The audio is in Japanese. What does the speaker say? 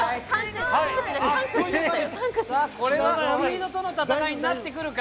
これはとの戦いになってくるか？